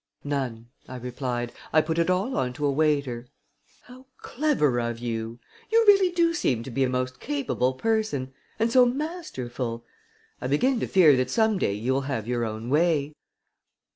"None," I replied. "I put it all on to a waiter." "How clever of you! You really do seem to be a most capable person and so masterful! I begin to fear that some day you'll have your own way."